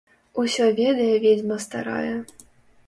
Усё ведае ведзьма старая.